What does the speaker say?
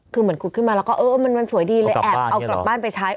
คือเหมือนขุดขึ้นมาแล้วก็เออมันสวยดีเลยแอบเอากลับบ้านไปใช้